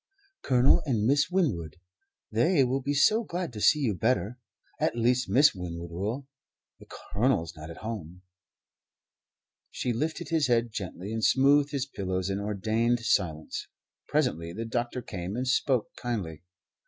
"Colonel and Miss Winwood. They will be so glad to see you better at least Miss Winwood will; the Colonel's not at home." She lifted his head gently and smoothed his pillows, and ordained silence. Presently the doctor came, and spoke kindly.